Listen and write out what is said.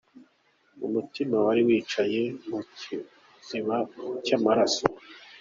Umutima wari wicaye mu kiziba cy’amaraso.